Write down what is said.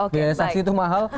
biaya saksi itu mahal